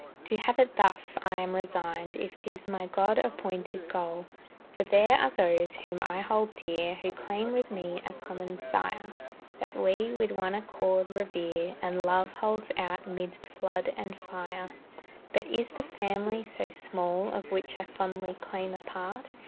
To have it thus, I am resigned, If 'tis my God appointed goal; For there are those whom I hold dear, Who claim with me a common sire, That we, with one accord, revere, And love holds out midst flood and fire. But is the family so small Of which I fondly claim a part?